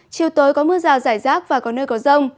chiều tối có mưa rào rải rác và có nơi có rông